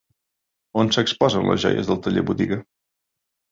On s'exposen les joies del taller-botiga?